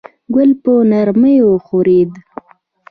ګل په نرمۍ وښورېد.